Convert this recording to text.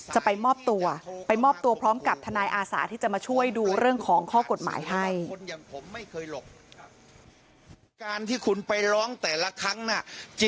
จะไปมอบตัวไปมอบตัวพร้อมกับทนายอาสาที่จะมาช่วยดูเรื่องของข้อกฎหมายให้